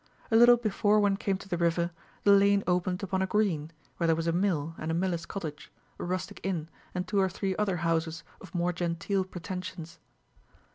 A little before one came to the river, the lane opened upon a green, where there was a mill, and a miller's cottage, a rustic inn, and two or three other houses of more genteel pretensions.